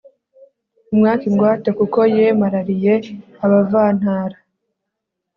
umwake ingwate kuko yemarariye abavantara